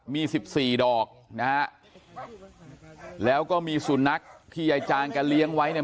มีสิบสี่ดอกนะฮะแล้วก็มีสุนัขที่ยายจานแกเลี้ยงไว้เนี่ย